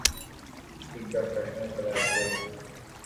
ঠিক দশটার সময় চলে আসবে।